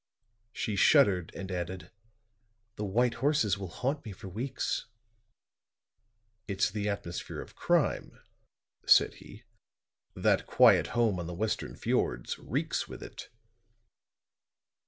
She shuddered and added: "The White Horses will haunt me for weeks." "It's the atmosphere of crime," said he. "That quiet home on the western fiords reeks with it."